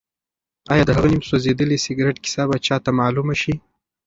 ایا د هغه نیم سوځېدلي سګرټ کیسه به چا ته معلومه شي؟